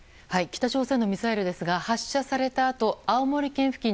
北朝鮮のミサイルですが発射されたあと青森県付近